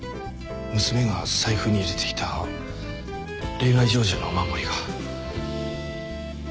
娘が財布に入れていた恋愛成就のお守りが。